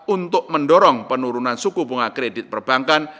untuk mendorong penurunan suku bunga kredit perbankan